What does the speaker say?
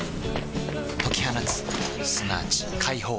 解き放つすなわち解放